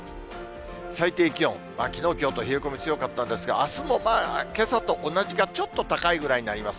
最低気温、きのう、きょうと冷え込み強かったんですが、あすもけさと同じか、ちょっと高いぐらいになります。